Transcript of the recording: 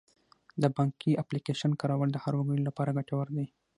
د بانکي اپلیکیشن کارول د هر وګړي لپاره ګټور دي.